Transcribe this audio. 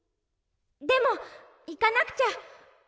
でもいかなくちゃ。